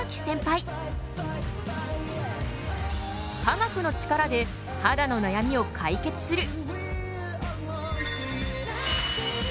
科学のチカラで肌の悩みを解決する！